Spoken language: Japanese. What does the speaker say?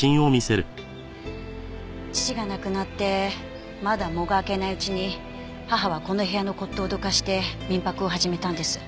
父が亡くなってまだ喪が明けないうちに母はこの部屋の骨董をどかして民泊を始めたんです。